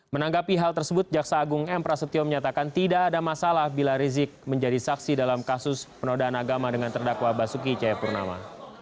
menanggapi hal tersebut jaksa agung m prasetyo menyatakan tidak ada masalah bila rizik menjadi saksi dalam kasus penodaan agama dengan terdakwa basuki cayapurnama